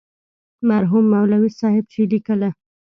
مرحوم مولوي صاحب چې لیکله.